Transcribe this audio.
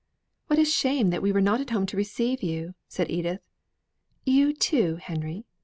"What a shame that we were not at home to receive you," said Edith. "You, too, Henry!